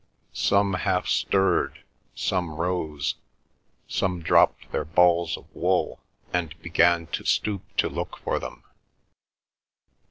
Some half stirred; some rose; some dropped their balls of wool and began to stoop to look for them.